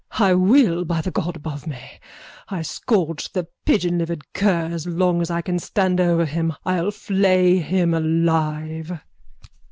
_ I will, by the God above me. I'll scourge the pigeonlivered cur as long as I can stand over him. I'll flay him alive.